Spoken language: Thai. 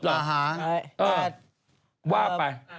ว่าไป